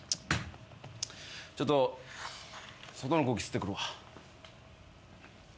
ちょっと外の空気吸ってくるわ。